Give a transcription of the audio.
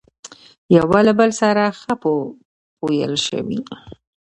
يوه له بل سره ښه پويل شوي،